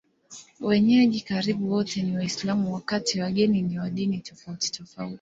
Wenyeji karibu wote ni Waislamu, wakati wageni ni wa dini tofautitofauti.